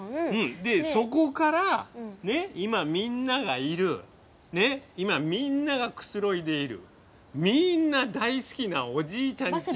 でそこからね今みんながいる今みんながくつろいでいるみんな大好きなおじいちゃんち。